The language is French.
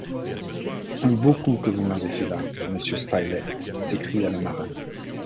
Un beau coup que vous avez fait là, monsieur Spilett s’écria le marin